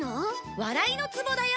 笑いのツボだよ